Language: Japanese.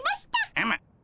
うむ。